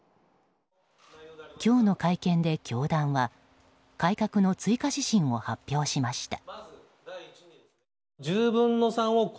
今日の会見で、教団は改革の追加指針を発表しました。